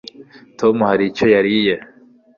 tom hari icyo yariye